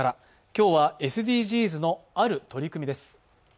今日は、ＳＤＧｓのある取り組みです。